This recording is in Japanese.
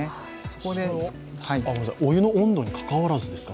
お湯の温度にかかわらずですか